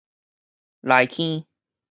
內坑